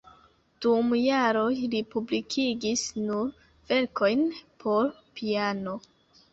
Dum jaroj li publikigis nur verkojn por piano.